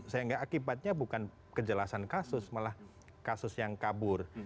sehingga akibatnya bukan kejelasan kasus malah kasus yang kabur